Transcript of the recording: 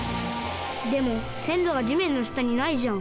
でもせんろがじめんのしたにないじゃん。